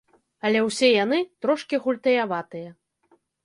Але ўсе яны трошкі гультаяватыя.